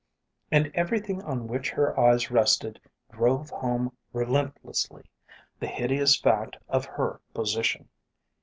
And everything on which her eyes rested drove home relentlessly the hideous fact of her position.